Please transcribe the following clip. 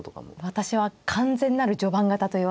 私は完全なる序盤型といわれて。